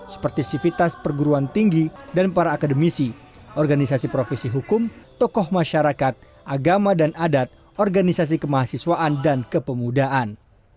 seperti sivitas perguruan tinggi dan para akademisi organisasi profesi hukum tokoh masyarakat agama dan adat organisasi kemahasiswaan dan kepemudaan